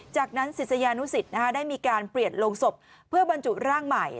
จากนั้นศิษยานุสิตได้มีการเปลี่ยนโรงศพเพื่อบรรจุร่างใหม่